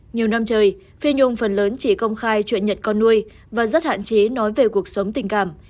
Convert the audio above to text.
nhiều năm trời phi nhung phần lớn chỉ công khai chuyện nhật con nuôi và rất hạn chế nói về cuộc sống tình cảm